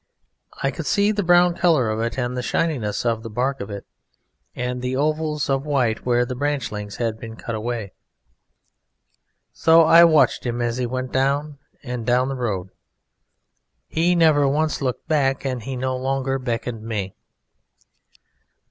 I could see the brown colour of it, and the shininess of the bark of it, and the ovals of white where the branchlings had been cut away. So I watched him as he went down and down the road. He never once looked back and he no longer beckoned me.